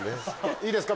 いいですか？